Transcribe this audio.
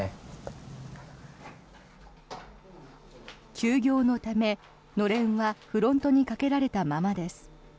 休業のため、のれんはフロントにかけられたままです。